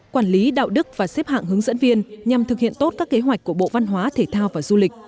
quản lý đạo đức và xếp hạng hướng dẫn viên nhằm thực hiện tốt các kế hoạch của bộ văn hóa thể thao và du lịch